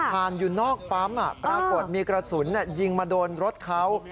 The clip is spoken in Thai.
ผ่านอยู่นอกปั๊มปรากฏมีกระสุนยิงมาโดนรถเขา